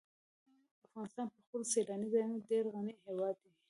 افغانستان په خپلو سیلاني ځایونو ډېر غني هېواد دی.